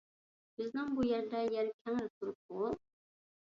بىزنىڭ بۇ يەردە يەر كەڭرى تۇرۇپتىغۇ...